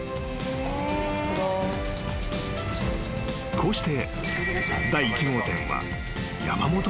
［こうして］